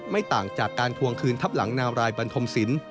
ไม่ต่างจากการทวงคืนทับหลังนาวรายบันทมศิลป